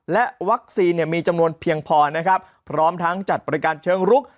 และวัคซีนเนี่ยมีจำนวนเพียงพอนะครับพร้อมทั้งจัดบริการเชิงรุก